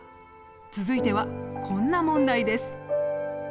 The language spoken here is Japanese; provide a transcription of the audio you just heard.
続いてはこんな問題です。